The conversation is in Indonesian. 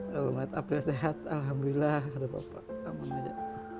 kalau melihat april sehat alhamdulillah ada bapak aman aja